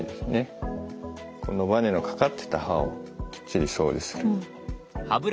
このバネのかかっていた歯をきっちり掃除する。